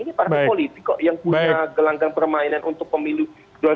ini partai politik kok yang punya gelanggang permainan untuk pemilih dua ribu dua puluh empat